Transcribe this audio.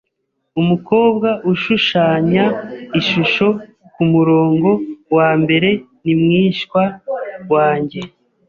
Umukobwa ushushanya ishusho kumurongo wambere ni mwishywa wanjye.